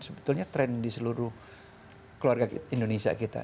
sebetulnya tren di seluruh keluarga indonesia kita